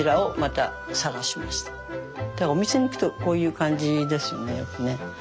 お店に行くとこういう感じですよねよくね。